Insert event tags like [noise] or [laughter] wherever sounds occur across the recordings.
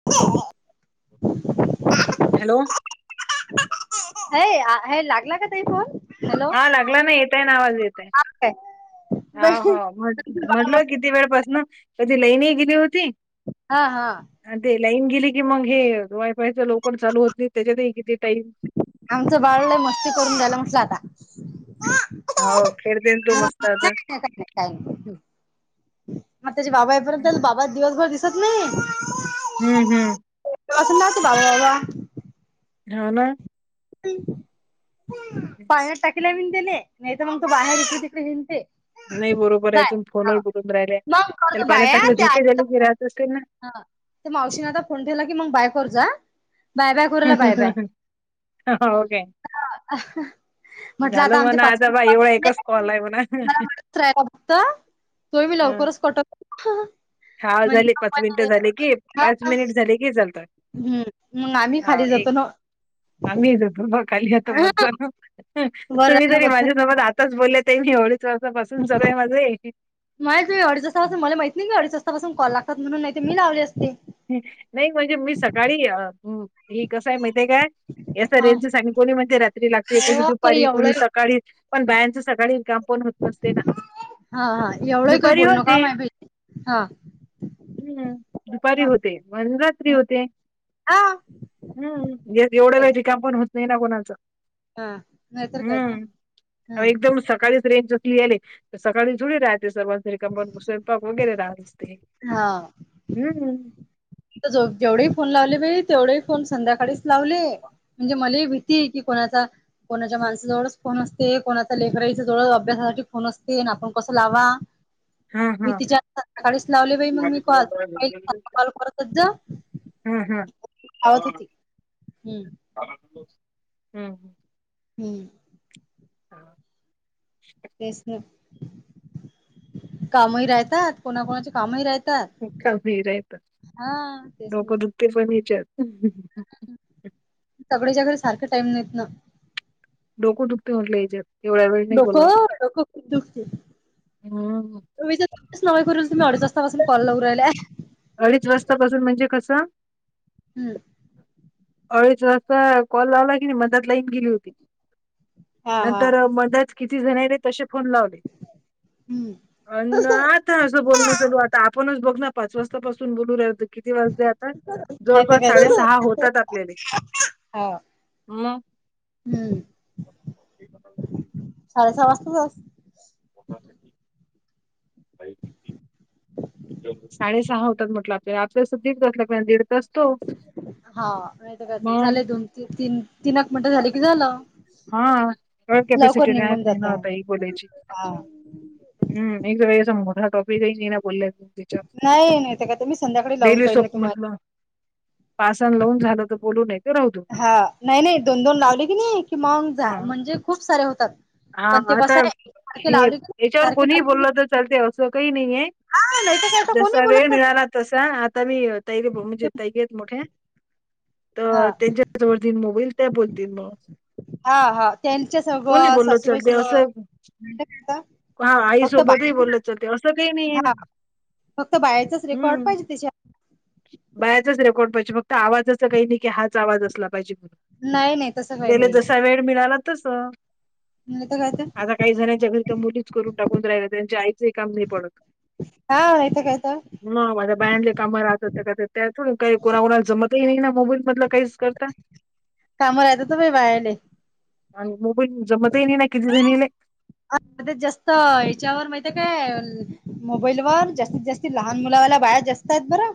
[unintelligible] Hello. हे हे लागला का ताई फोन हॅलो हा लागला ना येतंय ना आवाज येतंय. हा हा म्ह म्हटलो किती वेळ पासन ती लाईन एक गेली होती. हा हा. आणि ते लाईन गेली की मग हे वायफायच लोकण चालू होत नाही त्याच्यातही किती टाईम आमचं बाळ ले मस्ती करून दण उठलं आता हो खेळतेन तो मस्त आता थँक्यू मग त्याचे बाबा हम्म येईपर्यंत बाबा दिवसभर दिसत नाही. हम्म हम्म. वाचून दाखवू बाळवावा. हा ना. पाळण्यात टाकीलय मीन तीले. नाही तर मग तू बाहेर इकडे तिकडे हिंडते. नाही बरोबर आहे बाय तून फोनवर बोलून राहिले मग त्याला करतो पाळण्यात बाया टाकलं त्या झोके द्याले राहत असतील ना. हा ते मावशीने आता फोन ठेवला की मग बाइंकवर जा हा. हो काय. [unintelligible] झालं म्हणा आता बा एवढा एकच कॉल आहे म्हणा. [unintelligible] तोय बी लवकरच कटत. हा झाले पाच मिनिटं झाले की [unintelligible] पाच मिनिट झाले की चालतात हम्म मग आम्ही खाली जातो ना ओ. आम्हीच होतो म खाली आता मजा वर तुम्ही राहणं तरी बद्दल माझ्यासोबत आत. [unintelligible] माहित नाही अडीच वाजता पासून मले माहिती नाही ना अडीच वाजता पासुन कॉल लागतात म्हणून नाही त मी लावले असते. नाही म्हणजे मी सकाळी अ उ. ही कसय माहितेय काय याच हा रेंज च सांग कोणी म्हणते रात्री लागते कोणी हो काही दुपारी कोणी एवढं सक काळी पण बायांच सकाळी काम पण होत नसते ना. हा हा एवढंही काही दुपारी बोलू नका होते माय भई हा हा. हम्म. दुपारी होते मण रात्री होते. हा हम्म हेत एवढं वेळ रीकाम पण होत नाही ना कोणाचं. नाहीतर काय तर हम्म अहो हम्म एकदम सकाळीच रेंज इयेले. सकाळी जुडी राहते सर्वन रिकामं मंग स्वयंपाक वगैरे राहत असते. हा. हम्म. मी त जव जेवढही फोन लावले बई तेवढेही फोन संध्याकाळीच लावले म्हणजे मले ही भीती की कोणाचा कोणाच्या माणसाजवळच फोन असते कोणाच्या लेखराईच्या जवळच अभ्यासासाठी फोन असते आणि आपण कसं लावा. हा, हा. भीतीच्या मूळ सकाळीच लावले बाई मग मी कॉल [unintelligible] कॉल परत. हम्म लावत हम्म. होती हम्म हम्म. हम्म. [unintelligible] तेच तर कामही राहीतात कोणा कोणाचे कामही राहीतात. [unintelligible] तेच ना डोकं दुखत पण हच्यात सगळेच्या घरी सारखं टाईम नाहीत ना. डोक दुखत म्हटलं येच्यात. डोक हो डोक खूप दुखते. [unintelligible] हम्म. अडीज वाजता पाासून कॉल लाऊ राहिलाय. अडीच वाजतापासून म्हणजे कसं? हम्म. अडीच वाजता कॉल लावला की नाही मदत लाईन गेली होती हा हा नंतर मदत. किती जण रे तसे फोन लावले. हम्म ह ना आता असं बोलणं चालू आता आपणच बघ ना पाच वाजतापासून बोलू राहीलो किती वाजले आत ता नाही तर जवळपास काय तर साडेसहा होतात आपल्याले हा म. हम्म. [unintelligible] साडे सहा वाजतातच. [unintelligible] साडे सहा होतात म्हटलं आपल्याला [unintelligible] मग? [unintelligible] झाले की झालं हा त्यामुळं लवकर कॅपसिटी निघून राहात नाही जात ना हो ताई हा बोलायची. [unintelligible] नाही नाही ते काय तर मी संध्याकाळी लावून डेली पाहिल सोप तुम्हाला मधलं. पासन लावून झालं तर बोलू नाहीतर राहु देऊ. हा नाही नाही दोन दोन लावले की नाही कि मग जा हा म्हणजे खूप सारे होतात हा पण ते आता कसं आहे सारखे हे लावले की याच्यावर सारखे कोणीही लावले बोललं तर चालते असं काही नाही आहे. हा नाही तर काय तर कोणी जसा वेळ बोलत मिळाला तसा आता मी तैणजे तैकेत मोठे हा तर त्यांच्याच्यावरती मोबईल त्या बोलतील मग. हा हा त्यांच्या सोबत बोलत सासूबाई चालते असं सोबत हा आई फक्त सोबतही बाहेर बोलत चाते असं काही नाही आहे ना. हा फक्त बाहेरचाच रेकॉर्ड हम्म. पाहिजे त्याच्या. बायाचाच रेकॉर्ड पाहिजे फक्त आवाजचं काही नाही की हाच आवाज असला पाहिजे नाही नाही तसं म्हण काही गेले नाही जसा वेळ मिळाला तस. हो कायच आता काही जणांच्या घरी तर मुलीच करून टाकून राहिला त्यांच्या आईचं हे काम नाही पडत. हा माेत कायच ना माझ्या बयांले काम राहत होते का ते त्यातून काही कोणा कोणाला जमतही नाही ना मोबाईल मधलं काहीच करता. काय तरम बायने. आणि मग पण जमता येईल ना किती जण येलेय. अ जास्त हच्यावर माहिित काय? मोबाईल वर जास्तीत जास्ती लहान मुलावाला बाया जास्त आहेत बरं.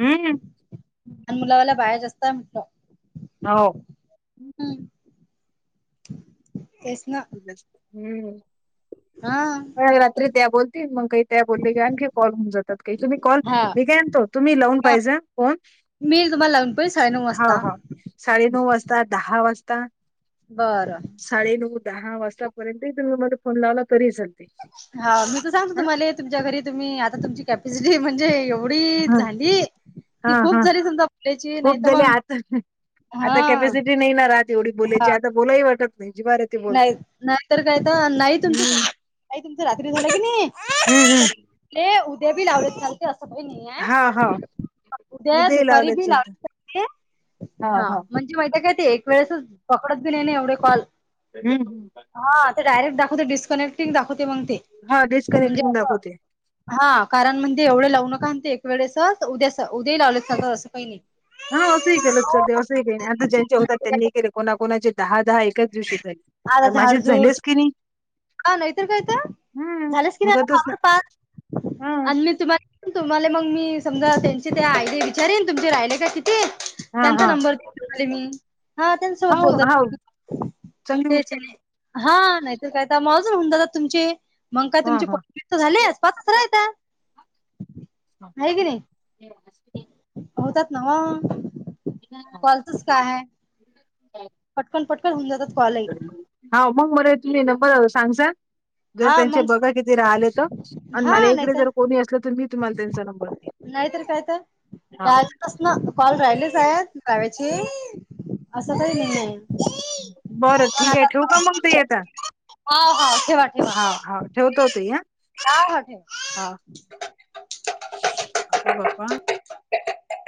हम्म लहान मुलावाला बाया जास्त म्हटत. हो हम् तेच ना हम्म हा का रात्री त्या बोलतील मग काही त्या बोलले घे आणखी कॉल होऊन जातात काही तुम्ही कॉल हा मी कायतो तुम्ही लावून हा पाहिजे कोण मी तुम्हाला लावून पई साडेनऊ वाजता. साडेनऊ वाजता दहा वाजता बरं साडे नऊ दहा वाजतापर्यंतही तुम्ही मध्ये फोन लावला तरी चालते. हा मी तर सांगतो हा तुम्हाला तुमच्या घरी तुम्ही आता तुमची कॅपॅसिटी म्हणजे एथोडी हा झाली. हा कि खूप हा झाली समजा आपल्याची नाही खूप तर झाले मग आता आता हा कॅपॅसिटी नाही ना राहत एवढी हा बोलायची आता बोलाही वाटत नाही. बोलून नाही नाहीतर कायत नाही तुम हम्म आई तुमचं रात्री झालं की हम्म हम्म नाही ले उद्या बी लावले [unintelligible] नाही आहे. हा हा उद्या उद्याही दुपारी लावलेत बी चालत लावले चालते हा हा म्हण माहिती काय एक वेळेसच पकडत बी नाही नाही एवढे कॉल हम् हम हा ते डायरेक्ट दाखवते डिस्कनेक्टिंग दाखवते मग ते हा म्हणजे डिस्कनेक्टिंग असं. दाखवते हा कारण म्हणजे एवढे लावू नका ते एक वेळेस उद्या उद्याही लावले सगळं असं काही नाही. हा असंही केलं लते असंही के नाही आता ज्यांचे होतात त्यांनीही केले कोणाकोणाचे दहा दहा एकाच दिवशी झाले. अर माझे झालेस की नाही. प नाही इतर का इ तर हम्म झालंस की नाही होतातच ना आता पा हा आणि मी तुम्हाला तुम्हाला मग मी समजा त्यांचे त्या आयडी विचारेन तुमचे राहिले का किती हा त्यांचा हा नंबरले मी हा त्यांच्यासोबत बोलत. चांगली तेच गोष्ट आहे हा नाहीत काय मग अजून होऊन दादा तुमचे मग काय हा तुमचे हा त झाली हा पाकसरायता आहे की नाही. ह होतात ना म कॉलचच काय आहे. पटकन पटकन हून जातात कॉल हाव मग मर तु नंबर सांग सा जर हा त्यांचे मग बघा किती राहिले तर आणि हा मला इकडे नाहीतर जर कोणी असलं तर मी तुम्हाला त्यांचा नंबर हा तस ना कॉल राहिलेच आहेत [unintelligible] असं काही नाहीये. बरं ठीक आहे ठेवू का मग ताई आता. हो हो ठेवा. ठेवा हाव, हाव ठेवतो ताई हा. हा हा ठेवा हाव. [unintelligible]